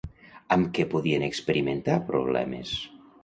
Amb què podien experimentar problemes?